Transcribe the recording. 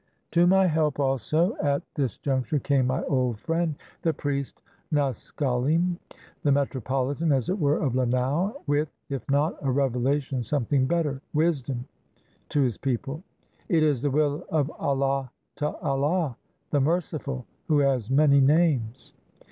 To my help also at this jimcture came my old friend, the priest Noskalim, the Metropolitan, as it were, of Lanao, with, if not a revelation, something better — wisdom — to his people: " It is the will of Allah 'ta Allah, The Merciful, who has many names."